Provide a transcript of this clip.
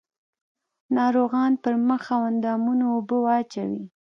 ناروغان پر مخ او اندامونو اوبه واچوي.